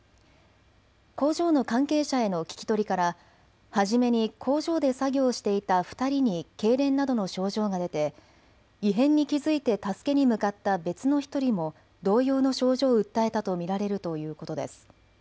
工場の関係者への聞き取りから初めに工場で作業をしていた２人にけいれんなどの症状が出て異変に気付いて助けに向かった別の１人も同様の症状を訴えたと見られるということです。